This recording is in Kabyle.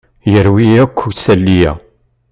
Yerwi-yi akk isali-a.